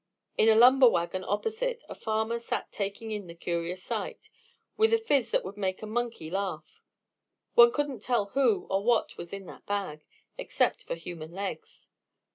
In a lumber wagon opposite, a farmer sat taking in the curious sight with a phiz that would make a monkey laugh. One couldn't tell who or what was in that bag, except for human legs.